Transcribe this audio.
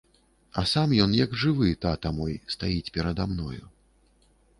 А сам ён, як жывы, тата мой, стаіць перада мною.